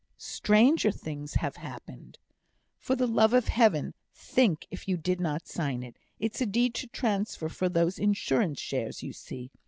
"Stranger things have happened. For the love of Heaven, think if you did not sign it. It's a deed of transfer for those Insurance shares, you see.